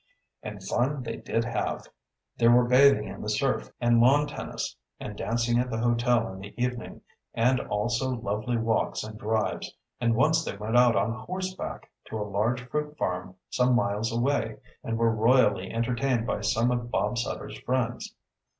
And fun they did have. There were bathing in the surf, and lawn tennis, and dancing at the hotel in the evening, and also lovely walks and drives, and once they went out on horseback to a large fruit farm some miles away, and were royally entertained by some of Bob Sutter's friends.